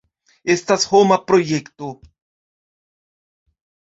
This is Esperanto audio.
Estas homa projekto.